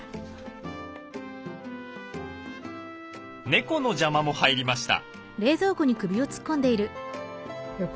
猫の邪魔も入りました。